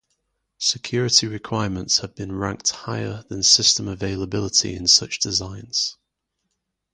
Security requirements have been ranked higher than system availability in such designs.